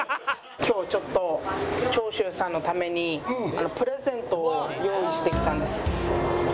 今日ちょっと長州さんのためにプレゼントを用意してきたんです。